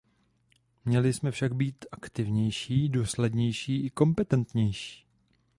Měli jsme však být aktivnější, důslednější i kompetentnější.